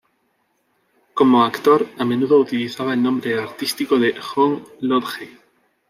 Como actor a menudo utilizaba el nombre artístico de John Lodge.